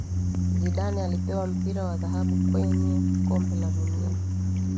Zidane alipewa mpira wa dhahabu kwenye kombe la dunia